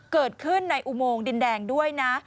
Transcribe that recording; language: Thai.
เกิดขึ้นในอุโมงดินแดงด้วยนะ